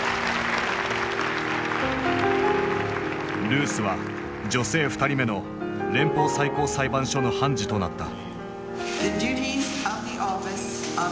ルースは女性２人目の連邦最高裁判所の判事となった。